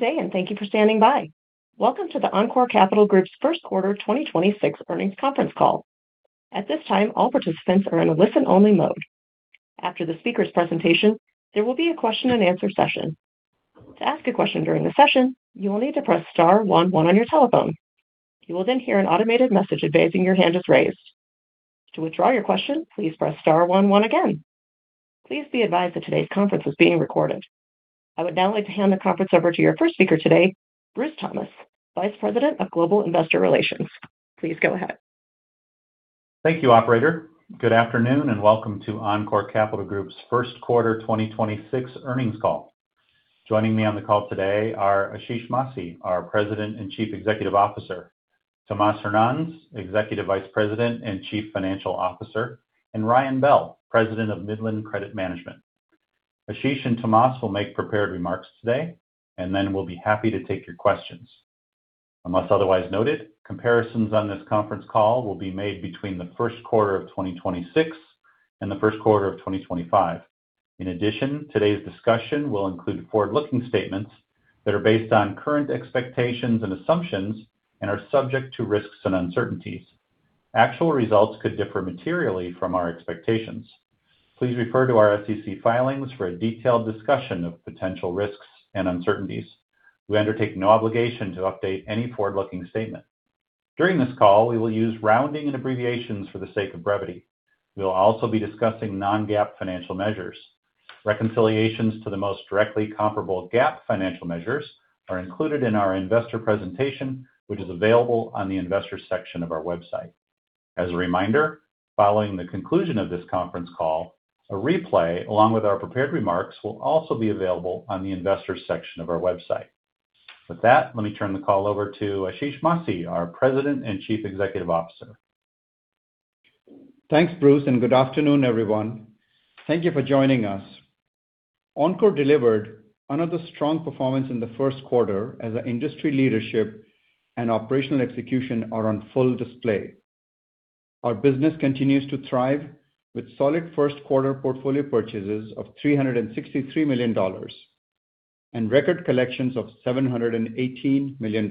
Good day, and thank you for standing by. Welcome to the Encore Capital Group's First Quarter 2026 Earnings Conference Call. At this time, all participants are in a listen-only mode. After the speaker's presentation, there will be a question-and-answer session. To ask a question during the session you'll need to press star one one on your telephone. You'll then hear an automated message that they had seen your hand is raised. To withdraw your question please press star one one again. Please be advised that today's conference is being recorded. I would now like to hand the conference over to your first speaker today, Bruce Thomas, Vice President of Global Investor Relations. Please go ahead. Thank you, operator. Good afternoon, and welcome to Encore Capital Group's First Quarter 2026 Earnings Call. Joining me on the call today are Ashish Masih, our President and Chief Executive Officer. Tomas Hernanz, Executive Vice President and Chief Financial Officer, and Ryan Bell, President of Midland Credit Management. Ashish and Tomas will make prepared remarks today, and then we'll be happy to take your questions. Unless otherwise noted, comparisons on this conference call will be made between the first quarter of 2026, and the first quarter of 2025. In addition, today's discussion will include forward-looking statements that are based on current expectations, and assumptions and are subject to risks, and uncertainties. Actual results could differ materially from our expectations. Please refer to our SEC filings for a detailed discussion of potential risks, and uncertainties. We undertake no obligation to update any forward-looking statement. During this call, we will use rounding, and abbreviations for the sake of brevity. We will also be discussing non-GAAP financial measures. Reconciliations to the most directly comparable GAAP financial measures are included in our investor presentation. Which is available on the Investors Section of our website. As a reminder, following the conclusion of this conference call. A replay along with our prepared remarks will also be available on the Investors Section of our website. With that, let me turn the call over to Ashish Masih, our President and Chief Executive Officer. Thanks, Bruce, and good afternoon, everyone. Thank you for joining us. Encore delivered another strong performance in the first quarter. As our industry leadership, and operational execution are on full display. Our business continues to thrive with solid first quarter portfolio purchases of $363 million, and record collections of $718 million.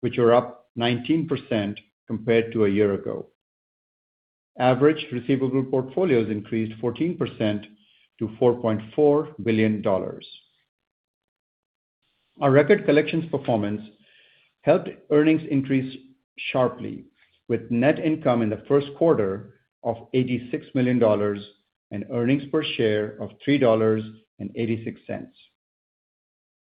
Which are up 19% compared to a year ago. Average receivable portfolios increased 14% to $4.4 billion. Our record collections performance helped earnings increase sharply with net income in the first quarter of $86 million, and earnings per share of $3.86.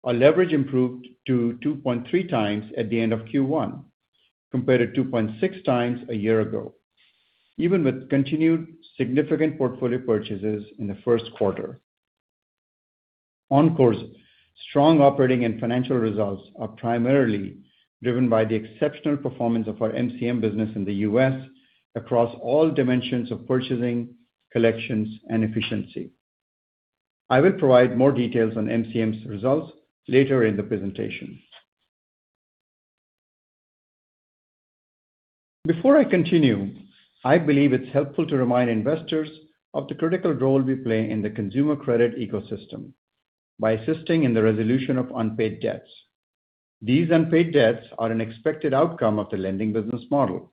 Our leverage improved to 2.3x at the end of Q1, compared to 2.6x a year ago. Even with continued significant portfolio purchases in the first quarter. Encore's strong operating, and financial results are primarily driven by the exceptional performance of our MCM business in the U.S. Across all dimensions of purchasing, collections, and efficiency. I will provide more details on MCM's results later in the presentation. Before I continue, I believe it's helpful to remind investors of the critical role we play in the consumer credit ecosystem, by assisting in the resolution of unpaid debts. These unpaid debts are an expected outcome of the lending business model.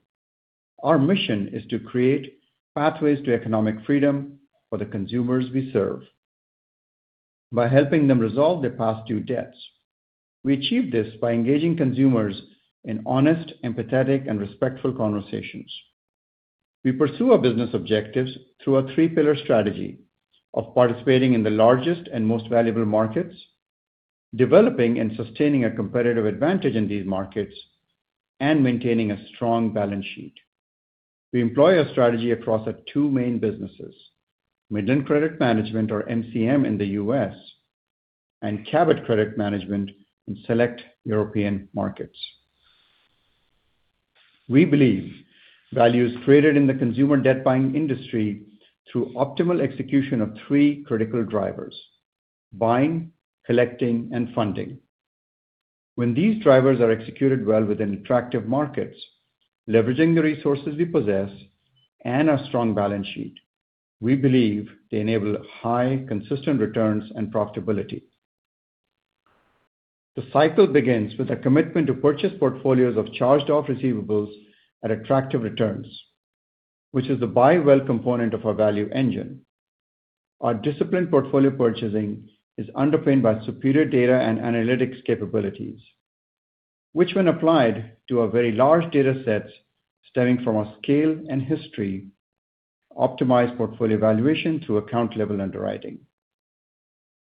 Our mission is to create pathways to economic freedom for the consumers we serve, by helping them resolve their past due debts. We achieve this by engaging consumers in honest, empathetic, and respectful conversations. We pursue our business objectives through a three-pillar strategy of participating in the largest, and most valuable markets. Developing and sustaining a competitive advantage in these markets, and maintaining a strong balance sheet. We employ a strategy across our two main businesses, Midland Credit Management or MCM in the U.S. And Cabot Credit Management in select European markets. We believe value is created in the consumer debt buying industry. Through optimal execution of three critical drivers, buying, collecting, and funding. When these drivers are executed well within attractive markets. Leveraging the resources we possess, and our strong balance sheet. We believe they enable high, consistent returns, and profitability. The cycle begins with a commitment to purchase portfolios of charged-off receivables at attractive returns. Which is the buy well component of our value engine. Our disciplined portfolio purchasing is underpinned by superior data, and analytics capabilities. Which when applied to our very large datasets stemming from our scale, and history. Optimize portfolio valuation through account-level underwriting.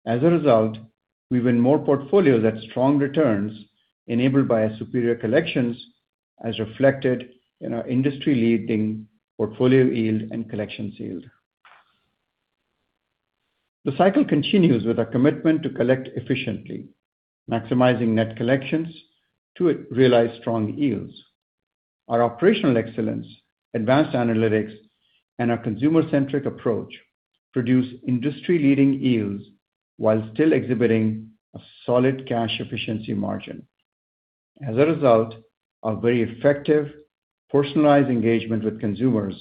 As a result, we win more portfolios at strong returns. Enabled by our superior collections as reflected in our industry-leading portfolio yield, and collections yield. The cycle continues with our commitment to collect efficiently, maximizing net collections to realize strong yields. Our operational excellence, advanced analytics, and our consumer-centric approach. Produce industry-leading yields while still exhibiting a solid cash efficiency margin. As a result, our very effective personalized engagement with consumers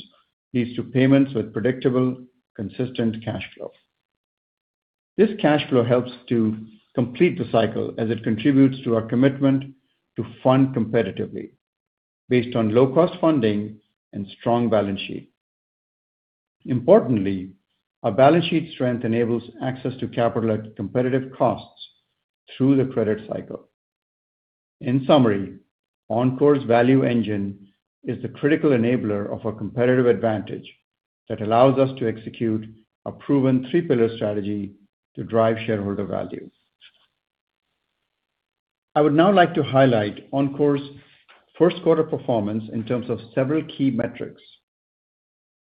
leads to payments with predictable, consistent cash flow. This cash flow helps to complete the cycle as it contributes to our commitment to fund competitively. Based on low-cost funding and strong balance sheet. Importantly, our balance sheet strength enables access to capital at competitive costs through the credit cycle. In summary, Encore's value engine is the critical enabler of our competitive advantage. That allows us to execute a proven three-pillar strategy to drive shareholder value. I would now like to highlight Encore's first quarter performance in terms of several key metrics,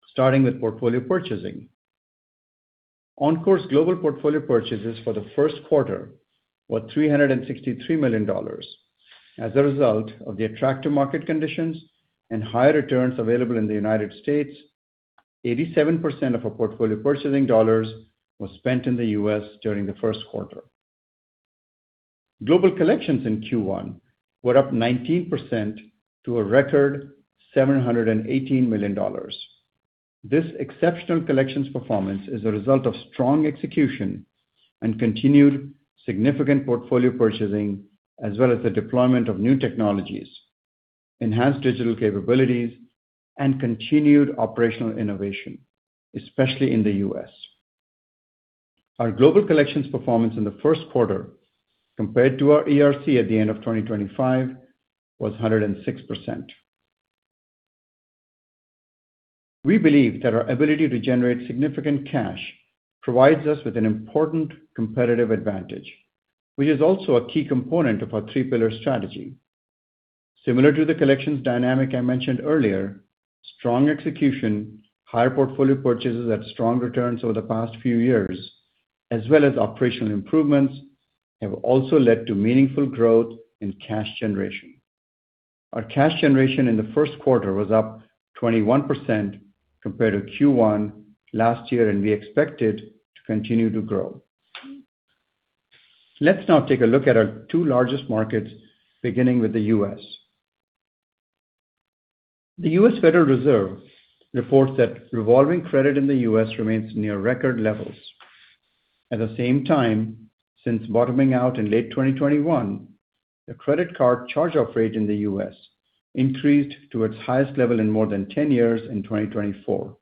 starting with portfolio purchasing. Encore's global portfolio purchases for the first quarter were $363 million. As a result of the attractive market conditions, and higher returns available in the United States. 87% of our portfolio purchasing dollars was spent in the U.S. during the first quarter. Global collections in Q1 were up 19%, to a record $718 million. These exceptional collections performance is a result of strong execution, and continued significant portfolio purchasing. As well as the deployment of new technologies, enhanced digital capabilities, and continued operational innovation. Especially in the U.S. Our global collections performance in the first quarter compared, to our ERC at the end of 2025 was 106%. We believe that our ability to generate significant cash. Provides us with an important competitive advantage. Which is also a key component of our three-pillar strategy. Similar to the collections dynamic I mentioned earlier, strong execution, higher portfolio purchases at strong returns over the past few years. As well as operational improvements have also led to meaningful growth in cash generation. Our cash generation in the first quarter was up 21% compared to Q1 last year, and we expect it to continue to grow. Let's now take a look at our two largest markets, beginning with the U.S. The U.S. Federal Reserve reports that revolving credit in the U.S. remains near record levels. At the same time, since bottoming out in late 2021, the credit card charge-off rate in the U.S. Increased to its highest level in more than 10 years in 2024,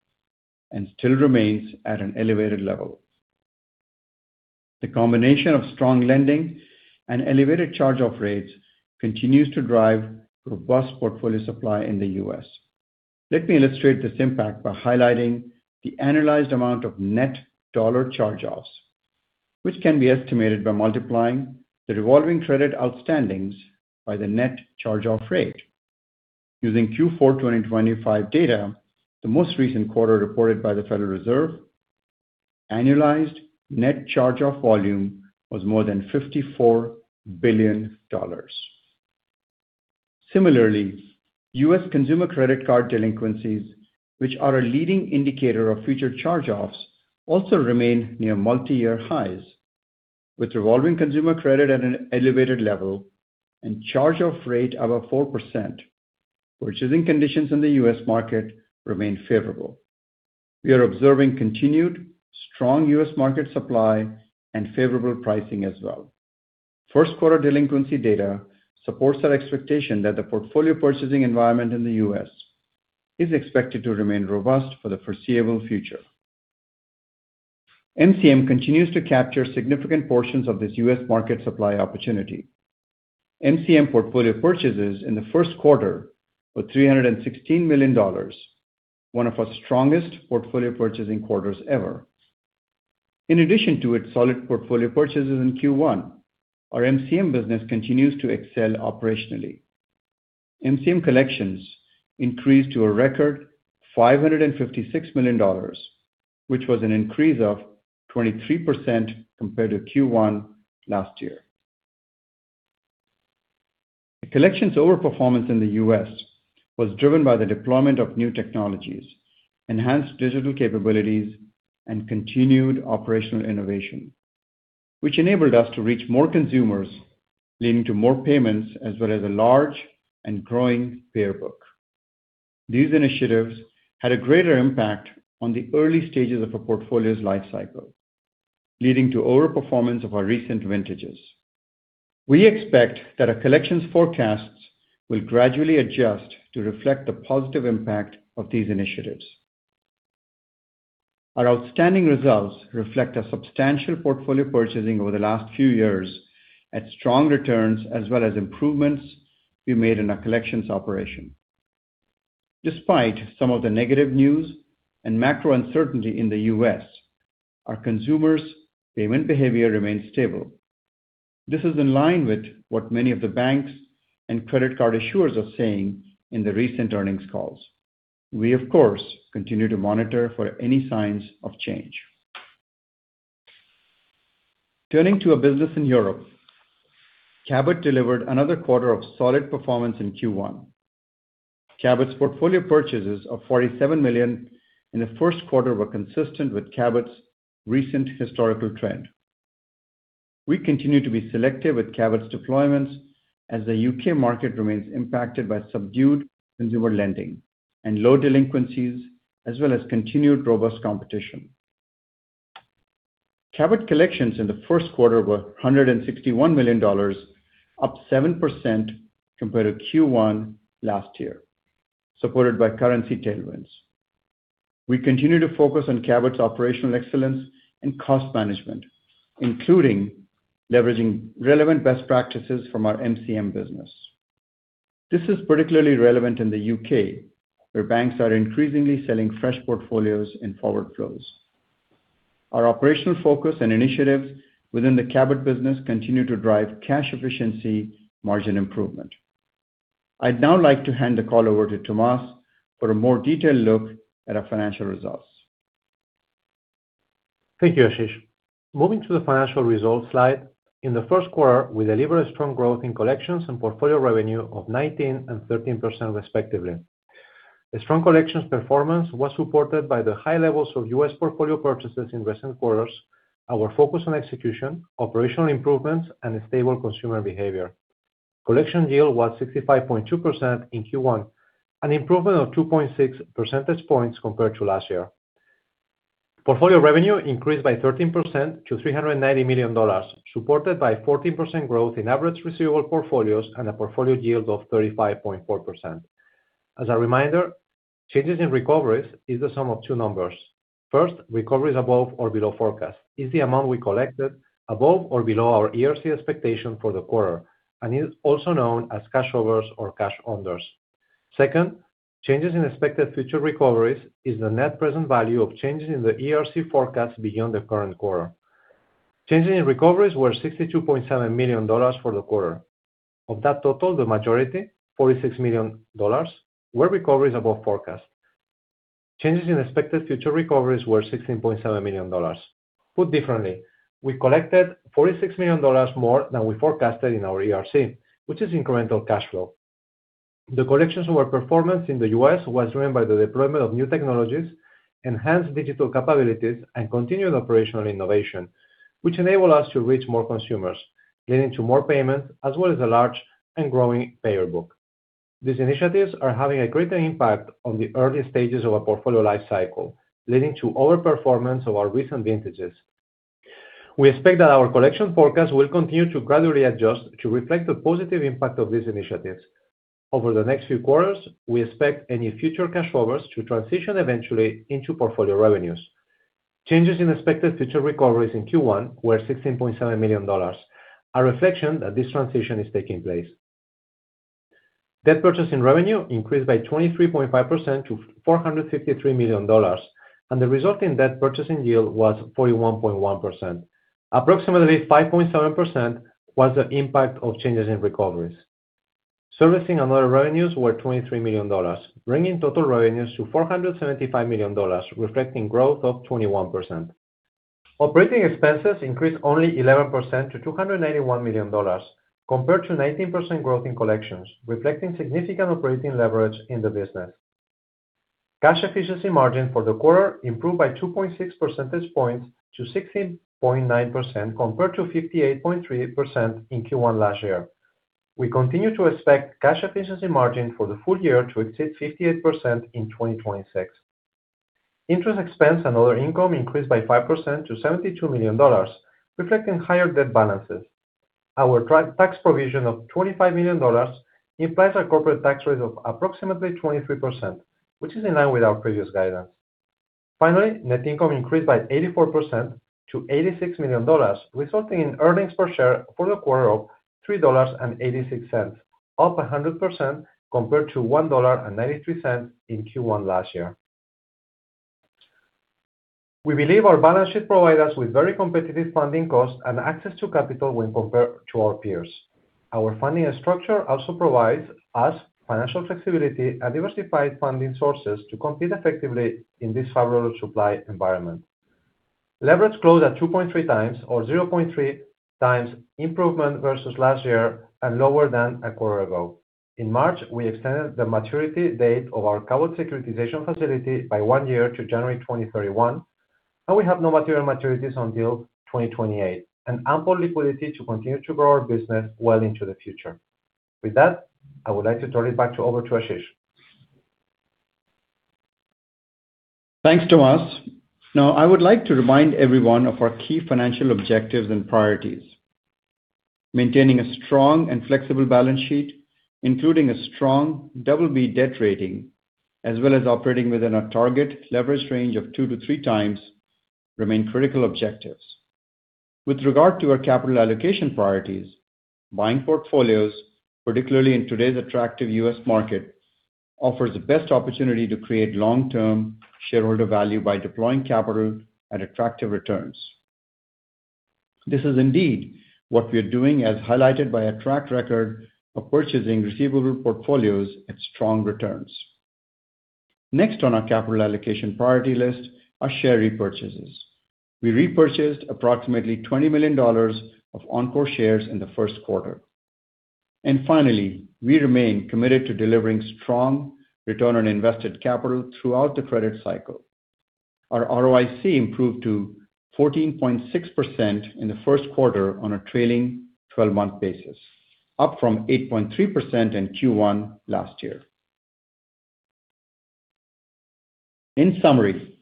and still remains at an elevated level. The combination of strong lending, and elevated charge-off rates continues to drive robust portfolio supply in the U.S. Let me illustrate this impact by highlighting the annualized amount of net dollar charge-offs. Which can be estimated by multiplying the revolving credit outstandings by the net charge-off rate. Using Q4 2025 data, the most recent quarter reported by the U.S. Federal Reserve, annualized net charge-off volume was more than $54 billion. Similarly, U.S. consumer credit card delinquencies, which are a leading indicator of future charge-offs, also remain near multiyear highs. With revolving consumer credit at an elevated level, and charge-off rate above 4%. Purchasing conditions in the U.S. market remain favorable. We are observing continued strong U.S. market supply, and favorable pricing as well. First quarter delinquency data supports our expectation that the portfolio purchasing environment in the U.S. Is expected to remain robust for the foreseeable future. MCM continues to capture significant portions of this U.S. market supply opportunity. MCM portfolio purchases in the first quarter were $316 million. One of our strongest portfolio purchasing quarters ever. In addition to its solid portfolio purchases in Q1, our MCM business continues to excel operationally. MCM collections increased to a record $556 million, which was an increase of 23% compared to Q1 last year. The collections overperformance in the U.S. was driven by the deployment of new technologies. Enhanced digital capabilities, and continued operational innovation. Which enabled us to reach more consumers, leading to more payments. As well as a large, and growing payer book. These initiatives had a greater impact on the early stages of a portfolio's life cycle. Leading to overperformance of our recent vintages. We expect that our collections forecasts will gradually adjust to reflect the positive impact of these initiatives. Our outstanding results reflect a substantial portfolio purchasing over the last few years. At strong returns as well as improvements we made in our collections operation. Despite some of the negative news, and macro uncertainty in the U.S., our consumers' payment behavior remains stable. This is in line with what many of the banks, and credit card issuers are saying in the recent earnings calls. We, of course, continue to monitor for any signs of change. Turning to our business in Europe, Cabot delivered another quarter of solid performance in Q1. Cabot's portfolio purchases of $47 million in the first quarter were consistent with Cabot's recent historical trend. We continue to be selective with Cabot's deployments. As the U.K. market remains impacted by subdued consumer lending, and low delinquencies. As well as continued robust competition. Cabot collections in the first quarter were $161 million, up 7% compared to Q1 last year, supported by currency tailwinds. We continue to focus on Cabot's operational excellence, and cost management. Including leveraging relevant best practices from our MCM business. This is particularly relevant in the U.K., where banks are increasingly selling fresh portfolios in forward flows. Our operational focus, and initiatives within the Cabot business continue to drive cash efficiency margin improvement. I'd now like to hand the call over to Tomas for a more detailed look at our financial results. Thank you, Ashish. Moving to the financial results slide. In the first quarter, we delivered a strong growth in collections, and portfolio revenue of 19% and 13%, respectively. A strong collections performance was supported by the high levels of U.S. portfolio purchases in recent quarters. Our focus on execution, operational improvements, and a stable consumer behavior. Collection yield was 65.2% in Q1, an improvement of 2.6 percentage points compared to last year. Portfolio revenue increased by 13% to $390 million. Supported by 14% growth in average receivable portfolios, and a portfolio yield of 35.4%. As a reminder, changes in recoveries is the sum of two numbers. First, recoveries above or below forecast is the amount we collected above or below our ERC expectation for the quarter, and is also known as cash overs or cash unders. Second, changes in expected future recoveries is the net present value of changes in the ERC forecast beyond the current quarter. Changes in recoveries were $62.7 million for the quarter. Of that total, the majority, $46 million, were recoveries above forecast. Changes in expected future recoveries were $16.7 million. Put differently, we collected $46 million more than we forecasted in our ERC, which is incremental cash flow. The collections of our performance in the U.S. was driven by the deployment of new technologies. Enhanced digital capabilities, and continued operational innovation, which enable us to reach more consumers. Leading to more payments as well as a large, and growing payer book. These initiatives are having a greater impact on the early stages of our portfolio life cycle, leading to overperformance of our recent vintages. We expect that our collection forecast will continue to gradually adjust. To reflect the positive impact of these initiatives. Over the next few quarters, we expect any future cash flows to transition eventually into portfolio revenues. Changes in expected future recoveries in Q1 were $16.7 million. A reflection that this transition is taking place. Debt purchasing revenue increased by 23.5% to $453 million. The resulting debt purchasing yield was 41.1%. Approximately 5.7% was the impact of changes in recoveries. Servicing, and other revenues were $23 million, bringing total revenues to $475 million, reflecting growth of 21%. Operating expenses increased only 11% to $281 million compared to 19% growth in collections. Reflecting significant operating leverage in the business. Cash efficiency margin for the quarter improved by 2.6 percentage points to 16.9%, compared to 58.3% in Q1 last year. We continue to expect cash efficiency margin for the full year to exceed 58% in 2026. Interest expense, and other income increased by 5% to $72 million, reflecting higher debt balances. Our tax provision of $25 million implies a corporate tax rate of approximately 23%. Which is in line with our previous guidance. Finally, net income increased by 84% to $86 million. Resulting in earnings per share for the quarter of $3.86, up 100% compared to $1.93 in Q1 last year. We believe our balance sheet provide us with very competitive funding costs, and access to capital when compared to our peers. Our funding structure also provides us financial flexibility, and diversified funding sources. To compete effectively in this favorable supply environment. Leverage closed at 2.3x or 0.3x improvement versus last year, and lower than a quarter ago. In March, we extended the maturity date of our Cabot securitization facility by one year to January 2031, and we have no material maturities on deal 2028. And ample liquidity to continue to grow our business well into the future. With that, I would like to turn it back to over to Ashish. Thanks, Tomas. I would like to remind everyone of our key financial objectives, and priorities. Maintaining a strong, and flexible balance sheet, including a strong BB debt rating. As well as operating within our target leverage range of 2x to 3x remain critical objectives. With regard to our capital allocation priorities, buying portfolios, particularly in today's attractive U.S. market. Offers the best opportunity to create long-term shareholder value by deploying capital at attractive returns. This is indeed, what we are doing as highlighted by a track record of purchasing receivable portfolios at strong returns. Next on our capital allocation priority list are share repurchases. We repurchased approximately $20 million of Encore shares in the first quarter. Finally, we remain committed to delivering strong return on invested capital throughout the credit cycle. Our ROIC improved to 14.6% in the first quarter on a trailing 12-month basis, up from 8.3% in Q1 last year. In summary,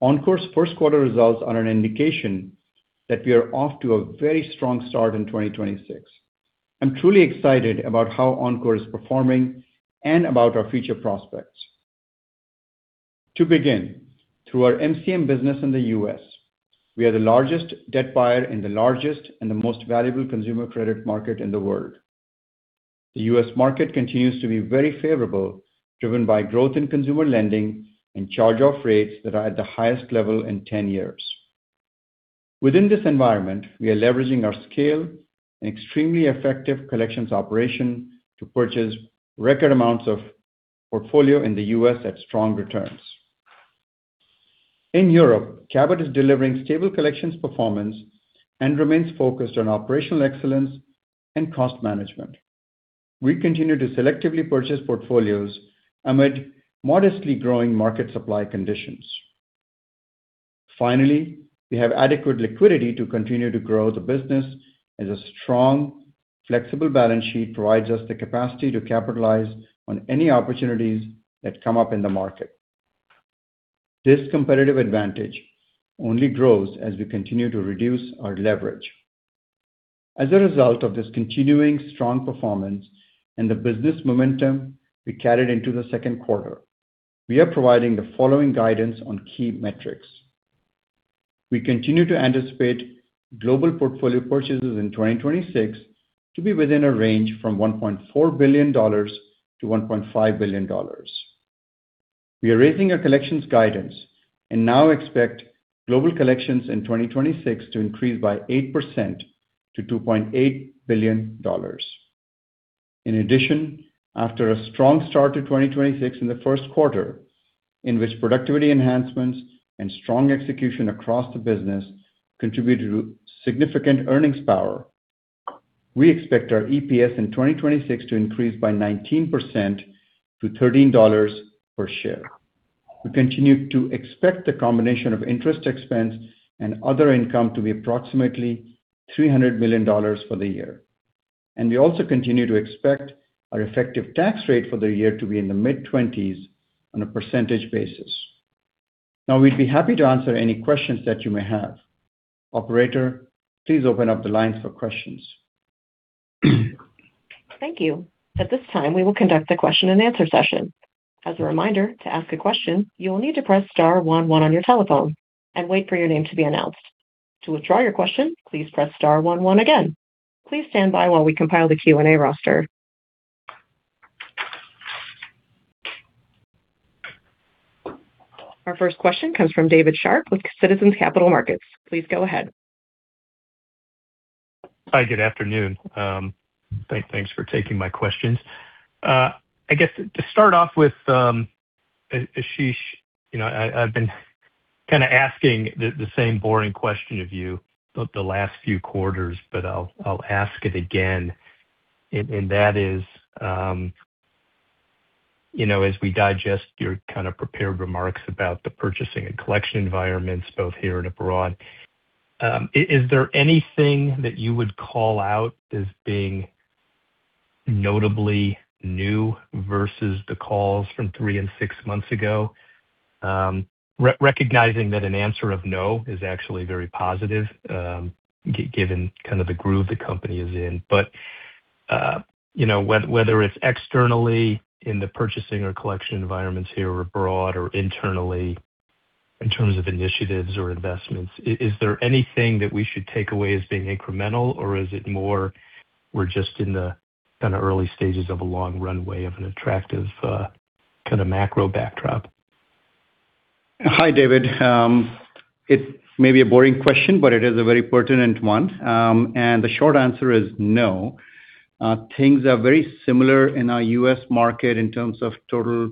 Encore's first quarter results are an indication that we are off to a very strong start in 2026. I'm truly excited about how Encore is performing, and about our future prospects. To begin, through our MCM business in the U.S., we are the largest debt buyer in the largest, and the most valuable consumer credit market in the world. The U.S. market continues to be very favorable, driven by growth in consumer lending, and charge-off rates that are at the highest level in 10 years. Within this environment, we are leveraging our scale, and extremely effective collections operation. To purchase record amounts of portfolio in the U.S. at strong returns. In Europe, Cabot is delivering stable collections performance. And remains focused on operational excellence, and cost management. We continue to selectively purchase portfolios amid modestly growing market supply conditions. Finally, we have adequate liquidity to continue to grow the business. As a strong, flexible balance sheet provides us the capacity to capitalize on any opportunities that come up in the market. This competitive advantage only grows, as we continue to reduce our leverage. As a result of this continuing strong performance, and the business momentum we carried into the second quarter. We are providing the following guidance on key metrics. We continue to anticipate global portfolio purchases in 2026. To be within a range from $1.4 billion-$1.5 billion. We are raising our collections guidance, and now expect global collections in 2026 to increase by 8% to $2.8 billion. In addition, after a strong start to 2026 in the first quarter. In which productivity enhancements, and strong execution across the business. Contributed to significant earnings power, we expect our EPS in 2026 to increase by 19% to $13 per share. We continue to expect the combination of interest expense, and other income to be approximately $300 million for the year. We also continue to expect our effective tax rate for the year to be in the mid-20s on a percentage basis. Now we'd be happy to answer any questions that you may have. Operator, please open up the lines for questions. Thank you. At this time, we will conduct the question-and-answer session. As a reminder, to ask a question you'll need to press star one one on your telephone. And wait for your name to be announced. To withdraw your question, please press star one one again. Please stand by, while we compile the Q&A roster. Our first question comes from David Scharf with Citizens Capital Markets. Please go ahead. Hi, good afternoon. Thanks for taking my questions. I guess to start off with, Ashish. You know, I've been kind of asking the same boring question of you the last few quarters, but I'll ask it again. That is, you know, as we digest your kind of prepared remarks about the purchasing, and collection environments both here, and abroad. Is there anything that you would call out as being notably new versus the calls from three, and six months ago? Recognizing that an answer of no is actually very positive, given kind of the groove the company is in. But, you know, whether it's externally in the purchasing or collection environments here or abroad. Or internally, in terms of initiatives or investments. Is there anything that we should take away as being incremental, or is it more we're just in the kinda early stages of a long runway of an attractive, kinda macro backdrop? Hi, David. It may be a boring question, it is a very pertinent one. The short answer is no. Things are very similar in our U.S. market in terms of total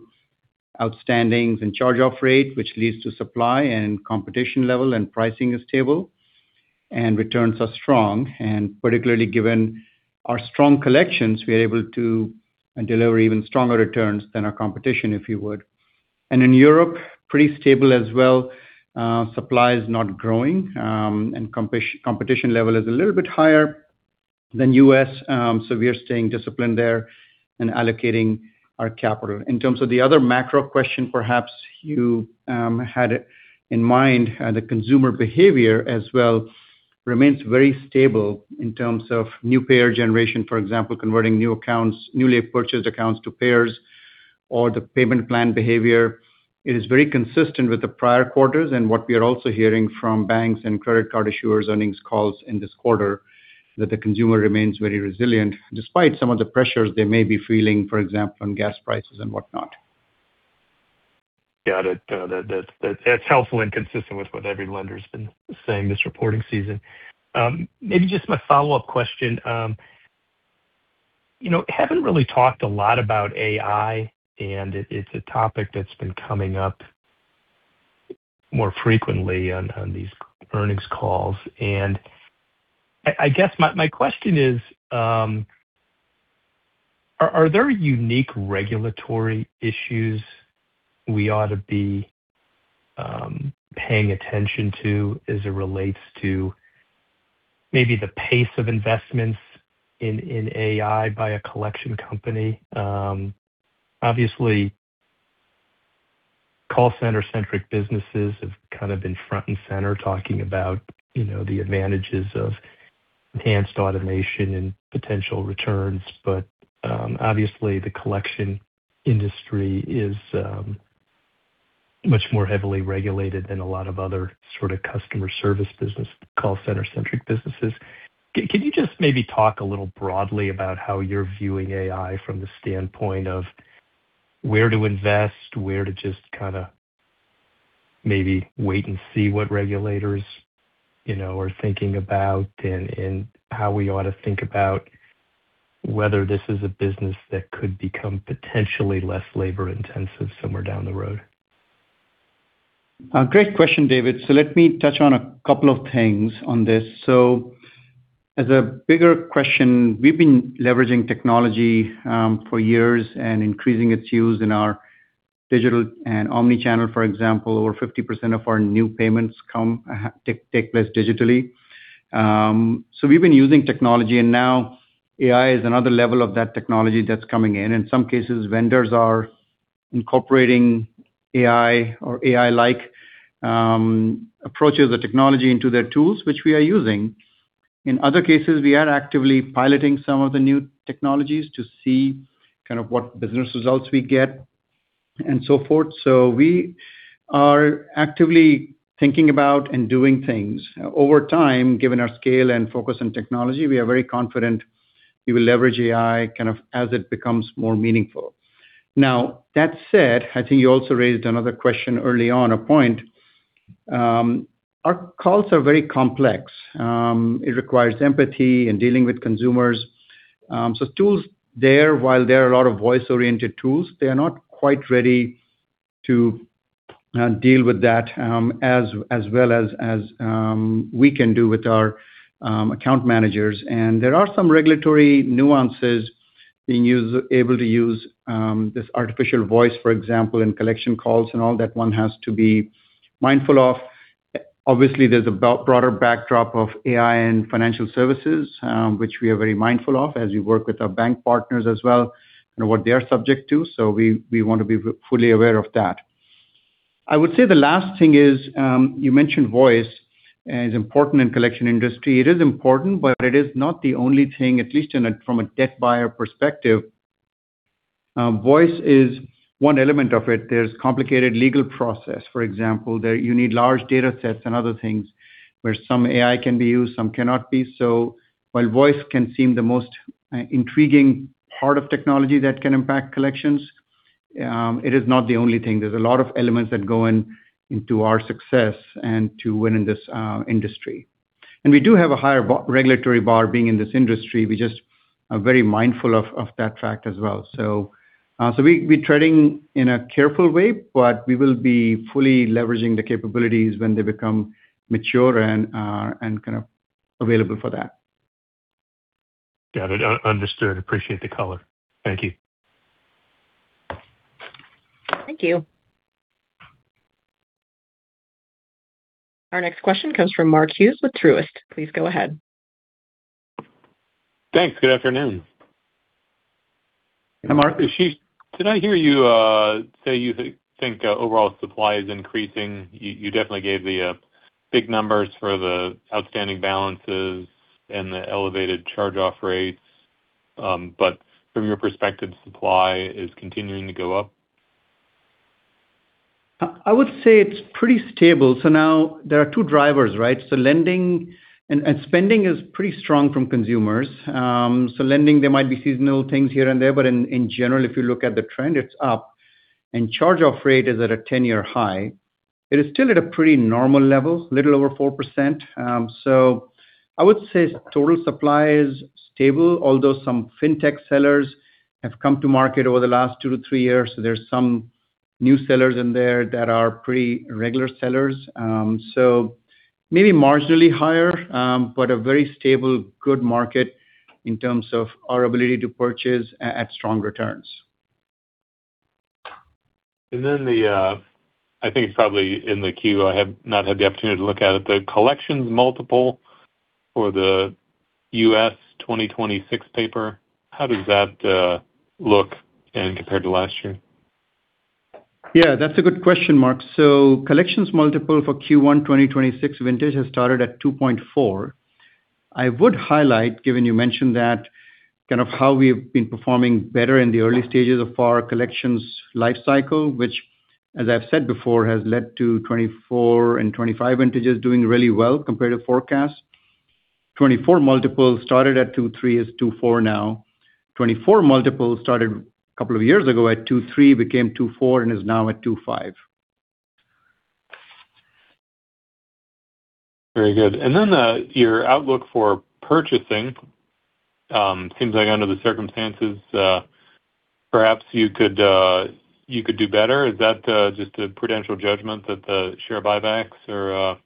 outstandings, and charge off rate. Which leads to supply, and competition level, and pricing is stable, returns are strong. Particularly given our strong collections, we are able to deliver even stronger returns than our competition, if you would. In Europe, pretty stable as well. Supply is not growing, competition level is a little bit higher than U.S. We are staying disciplined there, and allocating our capital. In terms of the other macro question perhaps you had in mind. The consumer behavior, as well remains very stable in terms of new payer generation. For example, converting new accounts, newly purchased accounts to payers or the payment plan behavior. It is very consistent with the prior quarters, and what we are also hearing from banks, and credit card issuers' earnings calls in this quarter. That the consumer remains very resilient despite some of the pressures they may be feeling, for example, on gas prices, and whatnot. Got it. That's helpful, and consistent with what every lender's been saying this reporting season. Maybe just my follow-up question. You know, haven't really talked a lot about AI, and it's a topic that's been coming up more frequently on these earnings calls. I guess my question is, are there unique regulatory issues we ought to be paying attention to as it relates to maybe the pace of investments in AI by a collection company? Obviously, call center-centric businesses have kind of been front, and center talking about. You know, the advantages of enhanced automation, and potential returns. Obviously, the collection industry is much more heavily regulated. Than a lot of other sort of customer service business, call center-centric businesses. Can you just maybe talk a little broadly about how you're viewing AI from the standpoint of, where to invest? Where to just kinda maybe wait, and see what regulators, you know, are thinking about? And how we ought to think about, whether this is a business that could become potentially less labor-intensive somewhere down the road? Great question, David Scharf. Let me touch on a couple of things on this. As a bigger question, we've been leveraging technology for years. And increasing its use in our digital, and omni-channel. For example, over 50% of our new payments take place digitally. We've been using technology, and now AI is another level of that technology that's coming in. In some cases, vendors are incorporating AI or AI-like approaches or technology into their tools, which we are using. In other cases, we are actively piloting some of the new technologies to see kind of what business results we get, and so forth. We are actively thinking about, and doing things. Over time, given our scale, and focus on technology. We are very confident we will leverage AI kind of as it becomes more meaningful. That said, I think you also raised another question early on, a point. Our calls are very complex. It requires empathy in dealing with consumers. So tools there, while there are a lot of voice-oriented tools, they are not quite ready. To deal with that, as well as, as we can do with our account managers. There are some regulatory nuances able to use this artificial voice. For example, in collection calls, and all that one has to be mindful of. Obviously, there's a broader backdrop of AI, and financial services. Which we are very mindful of, as we work with our bank partners as well, and what they are subject to. We, we want to be fully aware of that. I would say the last thing is, you mentioned voice as important in collection industry. It is important, but it is not the only thing, at least from a debt buyer perspective. Voice is one element of it. There's complicated legal process, for example. There you need large datasets, and other things. Where some AI can be used, some cannot be. While voice can seem the most intriguing part of technology that can impact collections, it is not the only thing. There's a lot of elements that go into our success, and to win in this industry. We do have a higher bar-regulatory bar being in this industry. We just are very mindful of that fact as well. We treading in a careful way, but we will be fully leveraging the capabilities. When they become mature, and kind of available for that. Got it, understood. Appreciate the color. Thank you. Thank you. Our next question comes from Mark Hughes with Truist. Please go ahead. Thanks. Good afternoon. Hi, Mark. Ashish, did I hear you say you think overall supply is increasing. You definitely gave the big numbers for the outstanding balances, and the elevated charge-off rates. From your perspective, supply is continuing to go up? I would say it's pretty stable. Now there are two drivers, right? Lending, and spending is pretty strong from consumers. Lending there might be seasonal things here, and there. But in general, if you look at the trend, it's up, and charge-off rate is at a 10-year high. It is still at a pretty normal level, little over 4%. I would say total supply is stable, although some fintech sellers. Have come to market over the last two to three years. There's some new sellers in there that are pretty regular sellers. Maybe marginally higher, but a very stable, good market in terms of our ability to purchase at strong returns. Then, I think it's probably in the queue. I have not had the opportunity to look at it. The collections multiple for the U.S. 2026 paper, how does that look, and compared to last year? Yeah, that's a good question, Mark. Collections multiple for Q1 2026 vintage has started at 2.4x. I would highlight, given you mentioned that, kind of how we've been performing better in the early stages of our collections life cycle. Which as I've said before, has led to 2024, and 2025 vintages doing really well compared to forecast. 2024 multiples started at 2.3x, is 2.4x now. 2024 multiples started a couple of years ago at 2.3x, became 2.4x, and is now at 2.5x. Very good. Your outlook for purchasing, seems like under the circumstances, perhaps you could do better. Is that just a prudential judgment that the share buybacks, are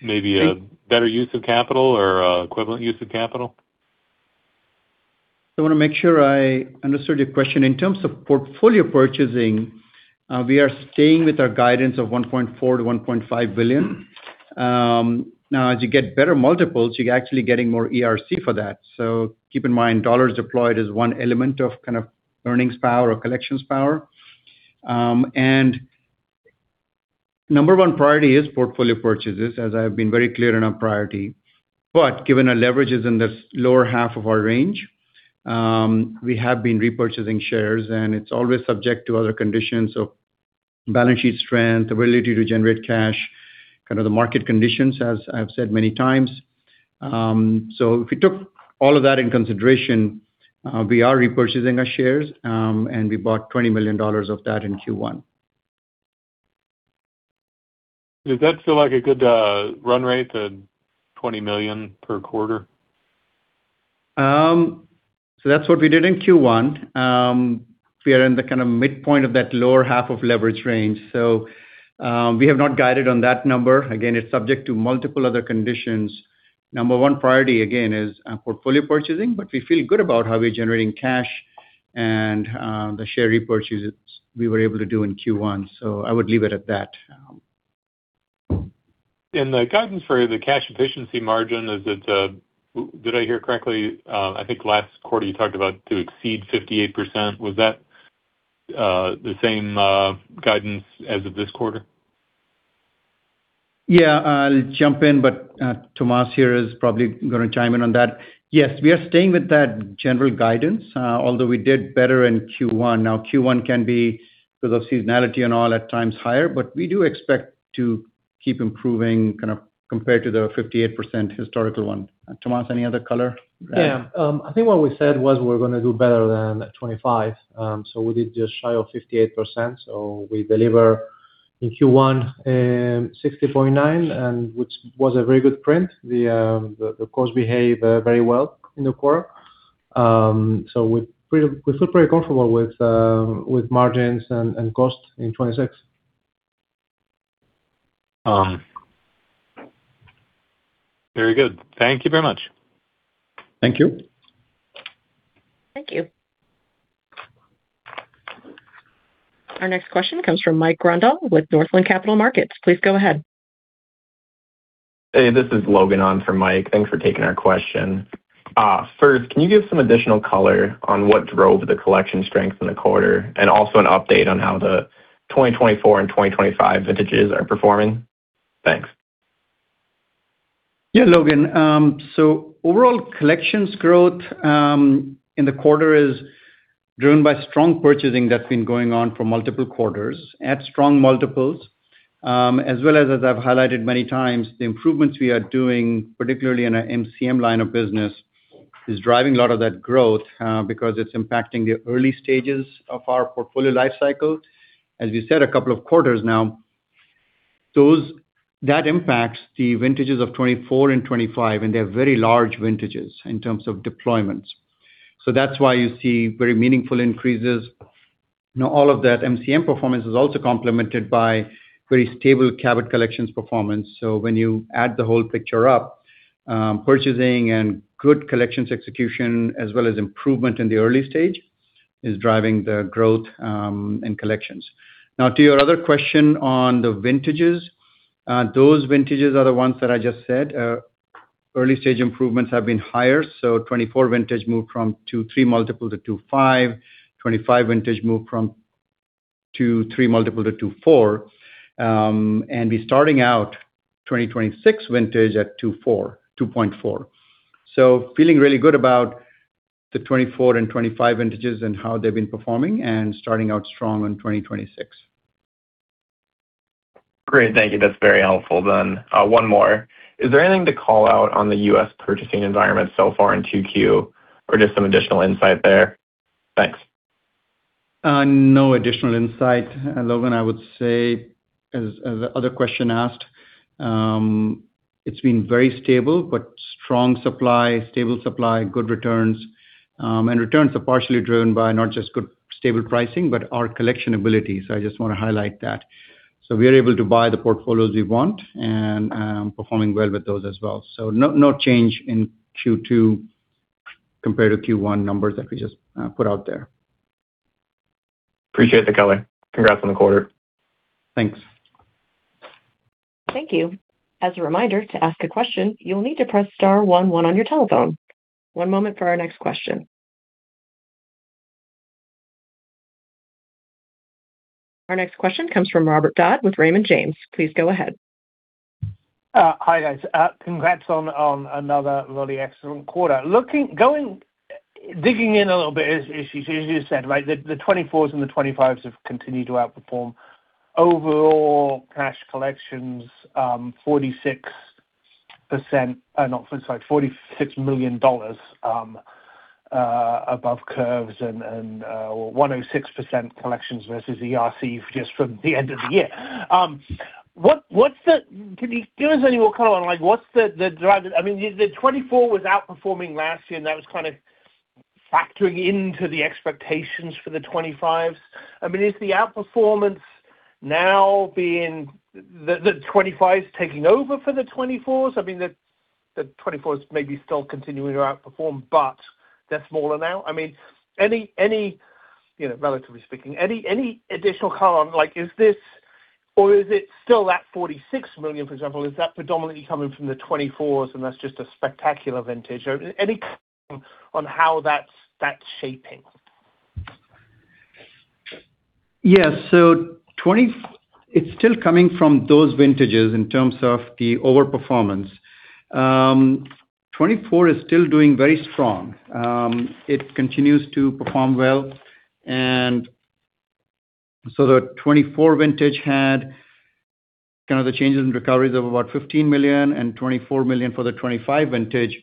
maybe a better use of capital or equivalent use of capital? I want to make sure I understood your question. In terms of portfolio purchasing, we are staying with our guidance of $1.4 billion-$1.5 billion. Now as you get better multiples, you're actually getting more ERC for that. Keep in mind, dollars deployed is one element of kind of earnings power or collections power. Number one priority is portfolio purchases, as I've been very clear in our priority. Given our leverage is in this lower half of our range. We have been repurchasing shares, and it's always subject to other conditions. Balance sheet strength, ability to generate cash, kind of the market conditions, as I've said many times. If you took all of that into consideration. We are repurchasing our shares, and we bought $20 million of that in Q1. Does that feel like a good run rate, the $20 million per quarter? That's what we did in Q1. We are in the kind of midpoint of that lower half of leverage range. We have not guided on that number. Again, it's subject to multiple other conditions. Number one priority, again, is portfolio purchasing. We feel good about how we're generating cash, and the share repurchases we were able to do in Q1. I would leave it at that. In the guidance for the cash efficiency margin, did I hear correctly? I think last quarter you talked about to exceed 58%. Was that the same guidance as of this quarter? Yeah, I'll jump in, but Tomas here is probably gonna chime in on that. Yes, we are staying with that general guidance, although we did better in Q1. Now, Q1 can be, because of seasonality, and all at times higher, but we do expect to keep improving kind of compared to the 58% historical one. Tomas, any other color? Yeah. I think what we said was we're gonna do better than 25%. We did just shy of 58%. We deliver in Q1, 60.9%, which was a very good print. The cost behave very well in the quarter. We feel pretty comfortable with margins, and cost in 2026. Very good. Thank you very much. Thank you. Thank you. Our next question comes from Mike Grondahl with Northland Capital Markets. Please go ahead. Hey, this is Logan on for Mike. Thanks for taking our question. First, can you give some additional color on what drove the collection strength in the quarter, also an update on how the 2024, and 2025 vintages are performing? Thanks. Yeah, Logan. So overall collections growth in the quarter is, driven by strong purchasing that's been going on for multiple quarters at strong multiples. As well as I've highlighted many times, the improvements we are doing, particularly in our MCM line of business, is driving a lot of that growth. Because it's impacting the early stages of our portfolio life cycle. As we said a couple of quarters now, that impacts the vintages of 2024 and 2025, and they're very large vintages in terms of deployments. That's why you see very meaningful increases. Now, all of that MCM performance is also complemented by very stable Cabot Collections performance. When you add the whole picture up, purchasing, and good collections execution. As well as improvement in the early stage is driving the growth in collections. Now to your other question on the vintages. Those vintages are the ones that I just said. Early-stage improvements have been higher. 2024 vintage moved from 2.3x-2.5x. 2025 vintage moved from 2.3x-2.4x. We're starting out 2026 vintage at 2.4x. Feeling really good about the 2024, and 2025 vintages. And how they've been performing, and starting out strong in 2026. Great. Thank you. That's very helpful then. One more. Is there anything to call out on the U.S. purchasing environment so far in 2Q, or just some additional insight there? Thanks. No additional insight, Logan. I would say as the other question asked. It's been very stable, but strong supply, good returns. Returns are partially driven by not just good stable pricing, but our collection ability. I just want to highlight that. We are able to buy the portfolios we want, and performing well with those as well. No, no change in Q2 compared to Q1 numbers that we just put out there. Appreciate the color. Congrats on the quarter. Thanks. Thank you. As a reminder, to ask a question, you'll need to press star one one on your telephone. One moment for our next question. Our next question comes from Robert Dodd with Raymond James. Please go ahead. Hi, guys. Congrats on another really excellent quarter. Looking, going, digging in a little bit, as you said, right, the 2024s, and the 2025s have continued to outperform. Overall cash collections, $46 million above curves, and 106% collections versus ERC just from the end of the year. Can you give us any more color on, like, what's the drive? I mean, the 2024 was outperforming last year, and that was kind of factoring into the expectations for the 2025s. I mean, is the outperformance now being the 2025s taking over for the 2024s? I mean, the 2024s may be still continuing to outperform, but they're smaller now. I mean, any, you know, relatively speaking, any additional color on, like, is this or is it still that $46 million? For example, is that predominantly coming from the 2024s, and that's just a spectacular vintage? Or any color on how that's shaping? Yes. It's still coming from those vintages in terms of the overperformance. 2024 is still doing very strong. It continues to perform well. The 2024 vintage had kind of the changes in recoveries of about $15 million, and $24 million for the 2025 vintage.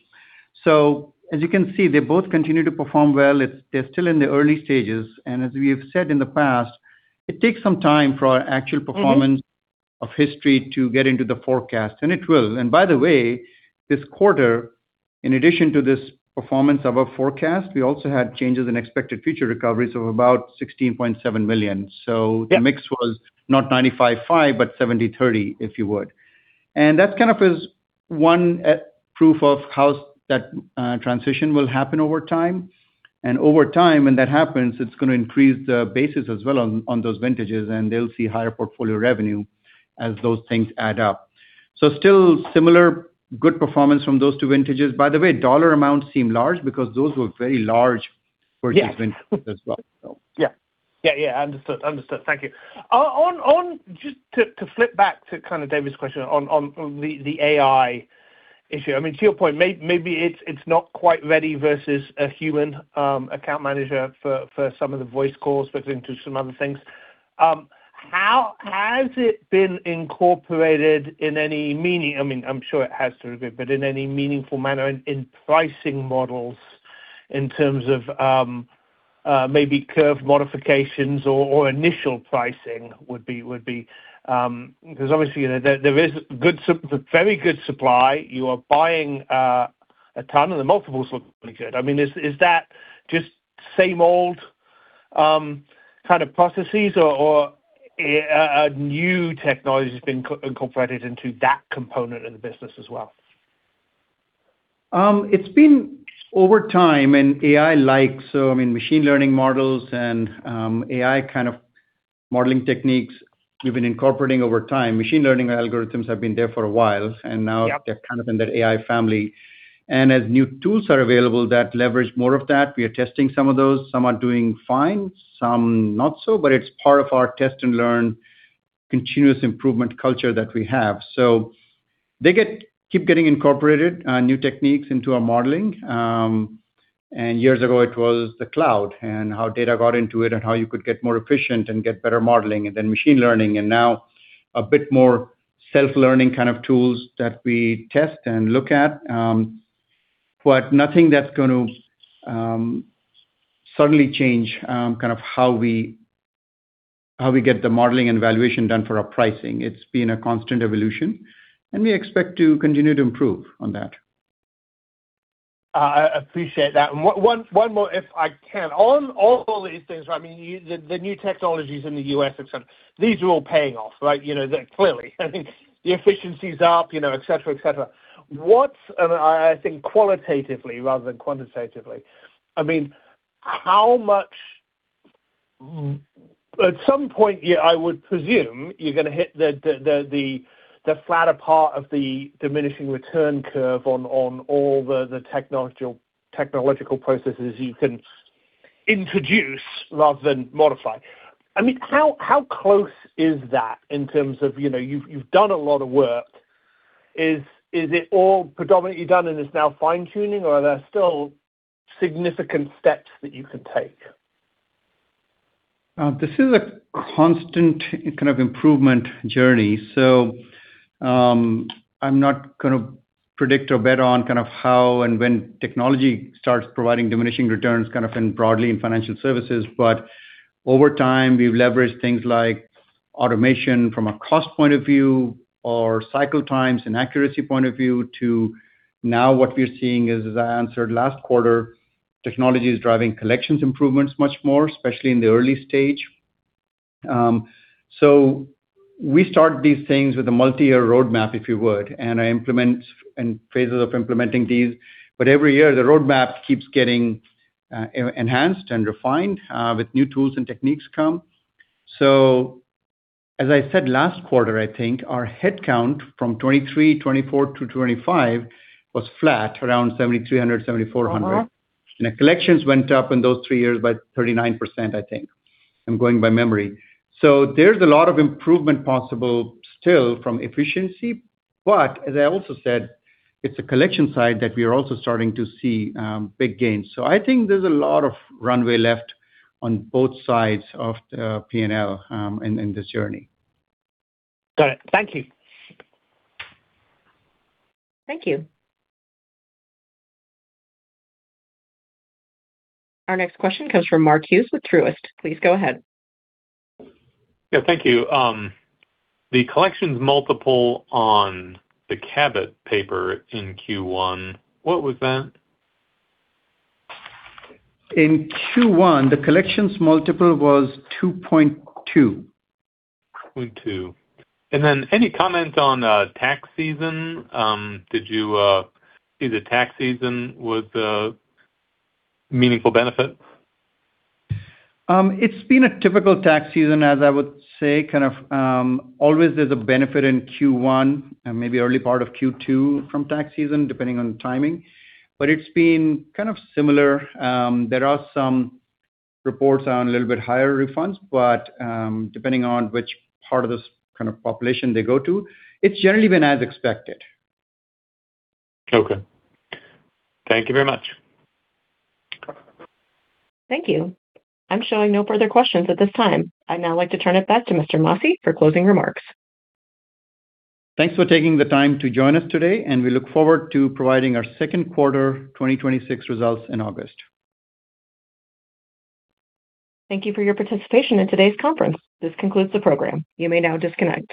As you can see, they both continue to perform well. They're still in the early stages. As we have said in the past, it takes some time for our actual performance. Of history to get into the forecast, and it will. By the way, this quarter, in addition to this performance of our forecast. We also had changes in expected future recoveries of about $16.7 million. Yeah. The mix was not 95/5, but 70/30, if you would. That's kind of is one, proof of how that transition will happen over time. Over time, when that happens, it's gonna increase the basis. As well on those vintages, and they'll see higher portfolio revenue as those things add up. Still similar good performance from those two vintages. By the way, dollar amounts seem large because those were very large. Yeah. Purchased vintages as well, so. Yeah, yeah. Understood. Understood. Thank you. Just to flip back to kind of David's question on the AI issue. I mean, to your point, maybe it's not quite ready versus a human account manager. For some of the voice calls versus into some other things. How has it been incorporated in any meaningful manner in pricing models in terms of maybe curve modifications or initial pricing? Because obviously, you know, there is very good supply. You are buying a ton, and the multiples look really good. I mean, is that just same old, kind of processes or, a new technology has been incorporated into that component of the business as well? It's been over time, and machine learning models, and AI kind of modeling techniques. We've been incorporating over time. Machine learning algorithms have been there for a while. Yeah. They're kind of in the AI family. As new tools are available that leverage more of that, we are testing some of those. Some are doing fine, some not so, but it's part of our test-and-learn continuous improvement culture that we have. They keep getting incorporated, new techniques into our modeling. Years ago, it was the cloud, and how data got into it, and how you could get more efficient. And get better modeling, and then machine learning. Now a bit more self-learning kind of tools that we test, and look at. But nothing that's going to suddenly change kind of how we, how we get the modeling, and valuation done for our pricing. It's been a constant evolution, and we expect to continue to improve on that. I appreciate that. One more if I can. On all these things, right, I mean, the new technologies in the U.S., et cetera. These are all paying off, right? You know, they're clearly. I think the efficiency's up, you know, et cetera, et cetera. What I think qualitatively rather than quantitatively, I mean, how much at some point? Yeah, I would presume you're gonna hit the flatter part of the diminishing return curve on all the technological processes, you can introduce rather than modify. I mean, how close is that in terms of, you know, you've done a lot of work? Is it all predominantly done, and it's now fine-tuning, or are there still significant steps that you can take? This is a constant kind of improvement journey. I'm not gonna predict or bet on kind of how, and when technology starts providing diminishing returns kind of in broadly in financial services. Over time, we've leveraged things like automation from a cost point of view. Or cycle times, and accuracy point of view. To now what we're seeing is, as I answered last quarter. Technology is driving collections improvements much more, especially in the early stage. We start these things with a multi-year roadmap, if you would. And I implement, and phases of implementing these. Every year, the roadmap keeps getting enhanced, and refined with new tools, and techniques come. As I said last quarter, I think our head count from 2023, 2024-2025 was flat around 7,300-7,400. The collections went up in those three years by 39%, I think. I'm going by memory. There's a lot of improvement possible still from efficiency. As I also said, it's the collection side that we are also starting to see big gains. I think there's a lot of runway left on both sides of P&L in this journey. Got it. Thank you. Thank you. Our next question comes from Mark Hughes with Truist. Please go ahead. Yeah, thank you. The collections multiple on the Cabot paper in Q1, what was that? In Q1, the collections multiple was 2.2x. 2.2x, any comment on tax season? Did you see the tax season with a meaningful benefit? It's been a typical tax season, as I would say. Always there's a benefit in Q1, and maybe early part of Q2 from tax season, depending on the timing. It's been similar. There are some reports on a little bit higher refunds, but depending on which part of this population they go to. It's generally been as expected. Okay. Thank you very much. Thank you. I'm showing no further questions at this time. I'd now like to turn it back to Mr. Masih for closing remarks. Thanks for taking the time to join us today, and we look forward to providing our second quarter 2026 results in August. Thank you for your participation in today's conference. This concludes the program. You may now disconnect.